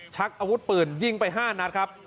ชักอาวุธปืนยิงไป๕นัดครับ